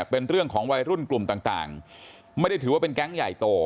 เป็นเรื่องของวัยรุ่นกลุ่มต่างไม่ได้ถือว่าเป็นแก๊งใหญ่โต